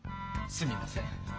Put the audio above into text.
すみません。